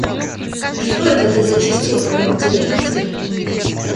Что это ты зачастил в район дирекции?